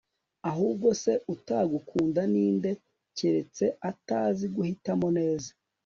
ahubwo se utagukunda ninde, keretse atazi guhitamo neza